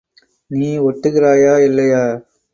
நீ ஒட்டுகிறாயா, இல்லையா?